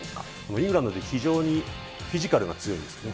イングランドって非常にフィジカルが強いんですね。